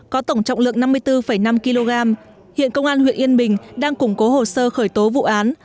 có tổng trọng lượng năm mươi bốn năm kg hiện công an huyện yên bình đang củng cố hồ sơ khởi tố vụ án